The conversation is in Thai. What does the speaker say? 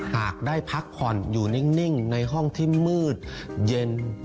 หากได้พักผ่อนอยู่นิ่งในห้องที่มืดเย็น